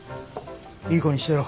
いい子にしてろ。